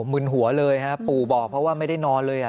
มึนหัวเลยฮะปู่บอกเพราะว่าไม่ได้นอนเลยอ่ะ